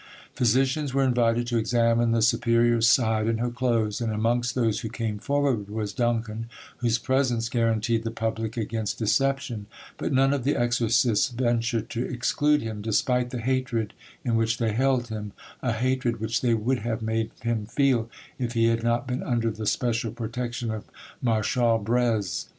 Physicians were invited to examine the superior's side and her clothes; and amongst those who came forward was Duncan, whose presence guaranteed the public against deception; but none of the exorcists ventured to exclude him, despite the hatred in which they held him—a hatred which they would have made him feel if he had not been under the special protection of Marshal Breze.